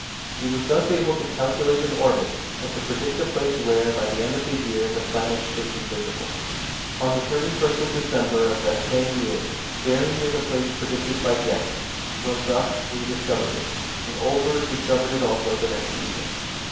He was thus able to calculate an orbit, and to predict a place where, by the end of the year, the planet should be visible. On the 31st of December of that same year, very near the place predicted by Gauss, von Zach rediscovered it, and Olbers discovered it also the next evening.